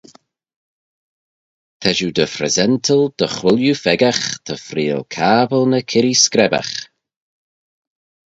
Ta shiu dy phresental dy chooilley pheccagh ta freayll cabbyl ny kirree screbbagh.